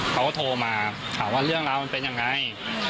เขาก็โทรมาถามว่าเรื่องราวมันเป็นยังไง